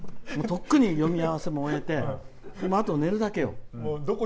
とっくに読み合わせも終えてあと寝るだけよ。